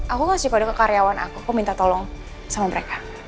aku kasih pada ke karyawan aku aku minta tolong sama mereka